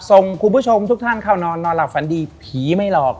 ส่งคุณผู้ชมทุกท่านเข้านอนนอนหลับฝันดีผีไม่หลอก